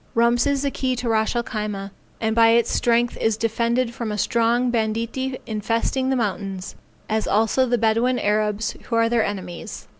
Rumps is the key to Ras el Khyma, and by its strength is defended from a strong banditti infesting the mountains, as also the Bedouin Arabs who are their enemies.